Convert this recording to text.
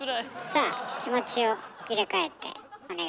さあ気持ちを入れ替えてお願いします。